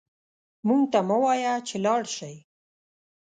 موږ ته مه وايه چې لاړ شئ